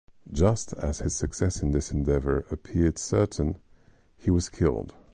Just as his success in this endeavour appeared certain, he was killed.